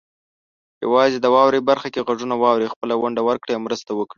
یوازې د "واورئ" برخه کې غږونه واورئ، خپله ونډه ورکړئ او مرسته وکړئ.